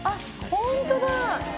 本当だ！